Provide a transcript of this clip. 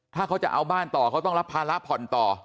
ถ้าเขาจะเอาบ้านต่อเขาต้องรับภาระผ่อนต่อ